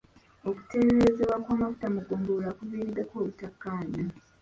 Okuteeberezebwa kw'amafuta mu ggombolola kuviiriddeko obutakkaanya.